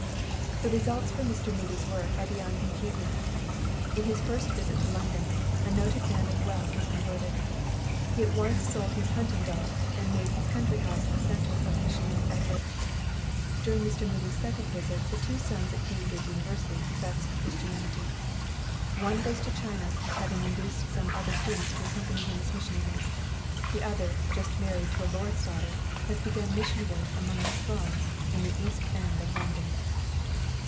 The results from Mr. Moody's work are beyond computing. In his first visit to London a noted man of wealth was converted. He at once sold his hunting dogs and made his country house a centre of missionary effort. During Mr. Moody's second visit the two sons at Cambridge University professed Christianity. One goes to China, having induced some other students to accompany him as missionaries; the other, just married to a lord's daughter, has begun mission work among the slums in the East End of London.